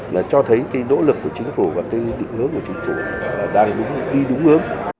là cho thấy cái nỗ lực của chính phủ và cái đúng ước của chính phủ đang đi đúng ước